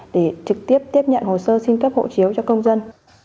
để trực tiếp tiếp nhận hồ sơ xin cấp hộ chiếu cho công dân